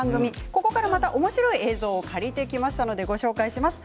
ここからまたおもしろい映像を借りてきましたのでご紹介します。